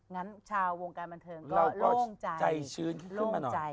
งั้นชาววงการบันเทิงก็โล่งใจ